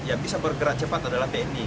yang bisa bergerak cepat adalah tni